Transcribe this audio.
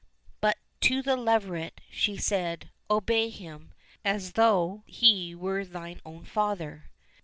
But to the leveret she said, " Obey him, as though he were thine own father."